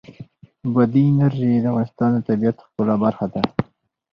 بادي انرژي د افغانستان د طبیعت د ښکلا برخه ده.